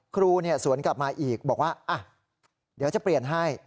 สวนกลับมาอีกบอกว่าเดี๋ยวจะเปลี่ยนให้